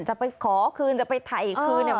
จะไปขอคืนจะไปไถคืน